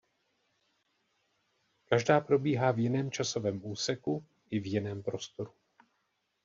Každá probíhá v jiném časovém úseku i v jiném prostoru.